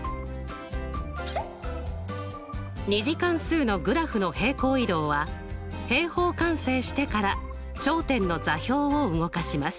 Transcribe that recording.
２次関数のグラフの平行移動は平方完成してから頂点の座標を動かします。